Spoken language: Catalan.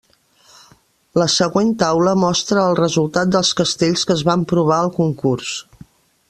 La següent taula mostra el resultat dels castells que es van provar al concurs.